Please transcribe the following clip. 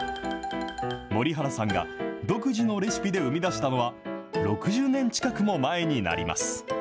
森原さんが独自のレシピで生み出したのは、６０年近くも前になります。